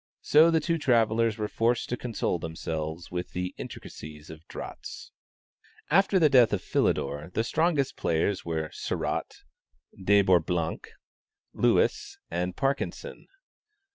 So the two travellers were forced to console themselves with the intricacies of draughts. After the death of Philidor, the strongest players were Sarratt, De Bourblanc, Lewis and Parkinson.